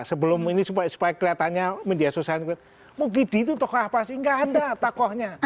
sebelum ini supaya kelihatannya media sosial mukidi itu tokoh apa sih nggak ada tokohnya